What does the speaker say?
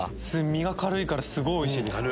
身が軽いからすごいおいしいです。